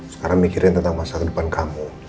sekarang mikirin tentang masa depan kamu